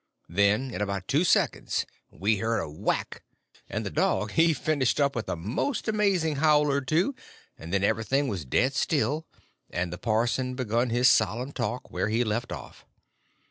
Then in about two seconds we heard a whack, and the dog he finished up with a most amazing howl or two, and then everything was dead still, and the parson begun his solemn talk where he left off.